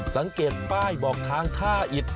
สังเกตป้ายบอกทางท่าอิด